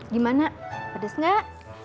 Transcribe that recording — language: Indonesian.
gimana pedes gak